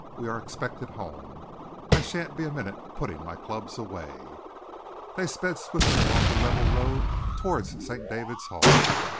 "We are expected home. I shan't be a minute putting my clubs away." They sped swiftly along the level road towards St. David's Hall.